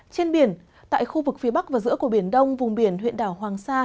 trên biển tại khu vực phía bắc và giữa của biển đông vùng biển huyện đảo hoàng sa